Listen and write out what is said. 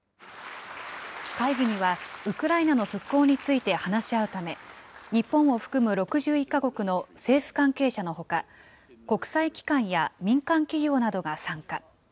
会議には、ウクライナの復興について話し合うため、日本を含む６１か国の政府関係者のほか、国際機関や民間企業などが参加。